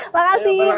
terima kasih prof